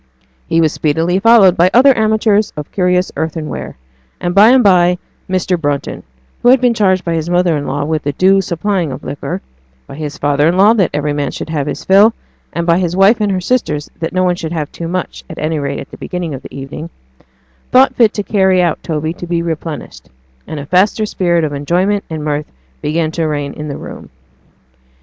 He was speedily followed by other amateurs of curious earthenware; and by and by Mr. Brunton (who had been charged by his mother in law with the due supplying of liquor by his father in law that every man should have his fill, and by his wife and her sisters that no one should have too much, at any rate at the beginning of the evening,) thought fit to carry out Toby to be replenished; and a faster spirit of enjoyment and mirth began to reign in the room.